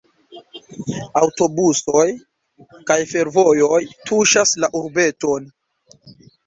Aŭtobusoj kaj fervojoj tuŝas la urbeton.